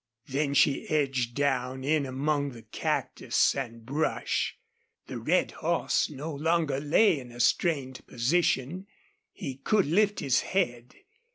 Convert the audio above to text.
Then she edged down in among the cactus and brush. The red horse no longer lay in a strained position. He could lift his head.